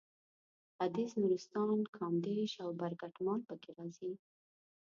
ختیځ نورستان کامدېش او برګمټال پکې راځي.